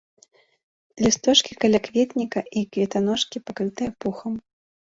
Лісточкі калякветніка і кветаножкі пакрытыя пухам.